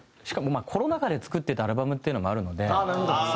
しかもまあコロナ禍で作ってたアルバムっていうのもあるので。